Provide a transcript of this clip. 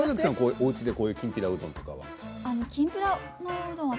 おうちできんぴらうどんとかは？